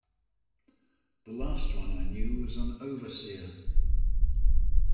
The last one I knew was an overseer.